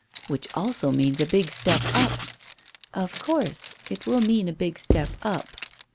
"Which also means a big step up." "Of course it will mean a big step up."